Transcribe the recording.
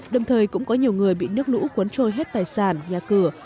đồng thời cũng có nhiều người bị nước lũ cuốn trôi hết tài sản nhà cửa